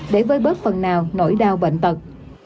để với bớt phần nào nỗi đau bệnh tật